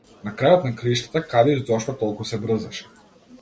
На крајот на краиштата, каде и зошто толку се брзаше?